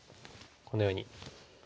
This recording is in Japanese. このように。